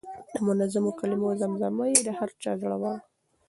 د منظومو کلمو زمزمه یې د هر چا زړه وړه.